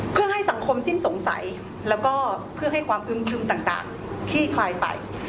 เพื่อให้สังคมสิ้นสงสัยแล้วก็เพื่อให้ความอึมครึมต่างขี้คลายไป